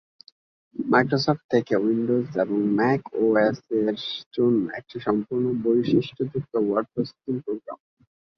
Microsoft থেকে Windows এবং Mac ওএস-এর জন্য একটি সম্পূর্ণ বৈশিষ্ট্যযুক্ত ওয়ার্ড প্রসেসিং প্রোগ্রাম।